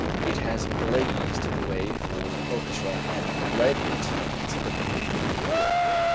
It has blazed the way for the orchestra and led it, instead of bringing up the rear.